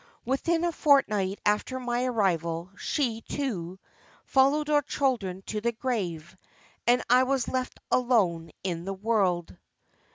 Within a fortnight after my arrival she, too, followed our children to the grave, and I was left alone in the world.